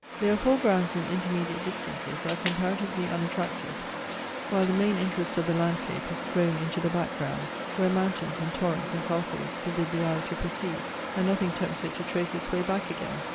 Their foregrounds and intermediate distances are comparatively unattractive: while the main interest of the landscape is thrown into the background, where mountains and torrents and castles forbid the eye to proceed, and nothing tempts it to trace its way back again.